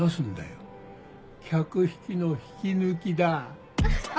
客引きの引き抜きだ。